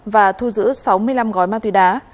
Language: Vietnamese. và thu giữ sáu mươi năm gói ma túy đá